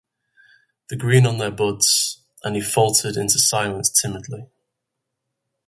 “The green on their buds —” and he faltered into silence timidly.